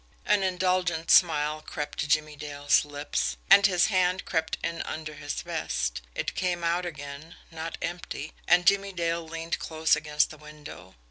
An indulgent smile crept to Jimmie Dale's lips and his hand crept in under his vest. It came out again not empty and Jimmie Dale leaned close against the window.